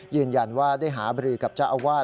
ยืนยันว่าได้หาบรือกับเจ้าอาวาส